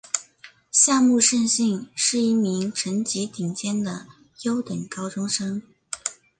夏木胜幸是一名成绩顶尖的优等高中生。